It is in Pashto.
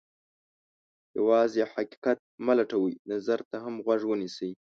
یوازې حقیقت مه لټوئ، نظر ته هم غوږ ونیسئ.